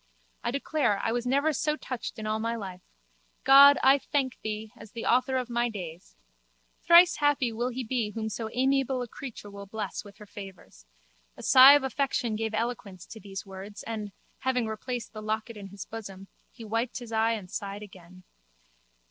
I declare, I was never so touched in all my life. God, I thank thee, as the Author of my days! Thrice happy will he be whom so amiable a creature will bless with her favours. A sigh of affection gave eloquence to these words and, having replaced the locket in his bosom, he wiped his eye and sighed again.